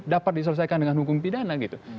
dapat diselesaikan dengan hukum pidana gitu